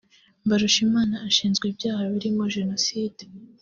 Mbarushima ashinjwa ibyaha birimo Jenoside